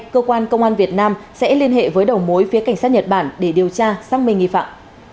cơ quan công an việt nam sẽ liên hệ với đầu mối phía cảnh sát nhật bản để điều tra xác minh nghi phạm